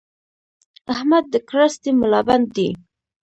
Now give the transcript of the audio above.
احمد د کراستې ملابند دی؛